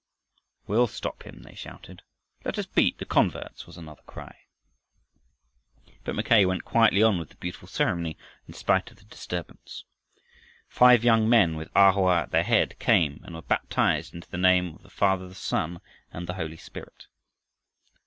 "We'll stop him," they shouted. "Let us beat the converts," was another cry. But Mackay went quietly on with the beautiful ceremony in spite of the disturbance. Five young men, with A Hoa at their head, came and were baptized into the name of the Father, the Son, and the Holy Spirit.